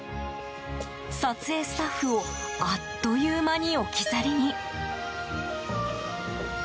撮影スタッフをあっという間に置き去りに。